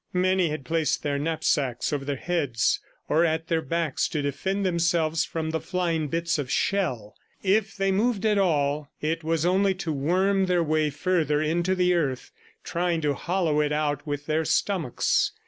Many had placed their knapsacks over their heads or at their backs to defend themselves from the flying bits of shell. If they moved at all, it was only to worm their way further into the earth, trying to hollow it out with their stomachs.